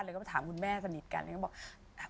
แล้วก็ไปถามคุณแม่สนิทกันก็บอก